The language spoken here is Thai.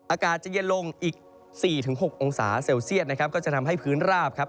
อากาศจะเย็นลงอีก๔๖องศาเซลเซียตนะครับก็จะทำให้พื้นราบครับ